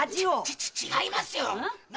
違いますよ！